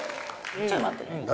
ちょい待ってね。